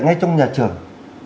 ngay trong nhà trường